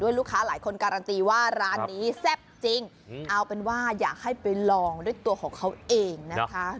อยากให้ไปลองด้วยของเขาเองนะคะ